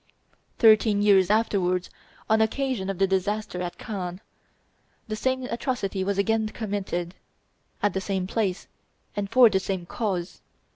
Thirteen years afterwards, on occasion of the disaster at Cann, the same atrocity was again committed, at the same place and for the same cause.